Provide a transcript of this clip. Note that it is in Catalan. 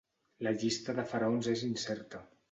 La llista de faraons és incerta.